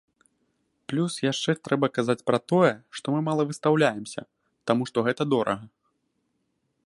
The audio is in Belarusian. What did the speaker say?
Плюс яшчэ трэба казаць пра тое, што мы мала выстаўляемся, таму што гэта дорага.